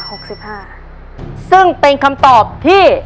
หกสิบห้าซึ่งเป็นคำตอบที่